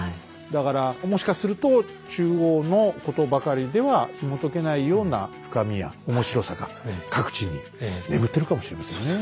だからもしかすると中央のことばかりではひもとけないような深みや面白さが各地に眠ってるかもしれませんね。